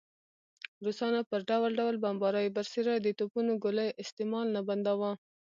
روسانو پر ډول ډول بمباریو برسېره د توپونو ګولیو استعمال نه بنداوه.